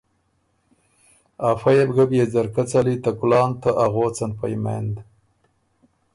افۀ يې بو ګۀ بيې ځرکۀ څلی ته کُلان ته اغوڅن په یمېند۔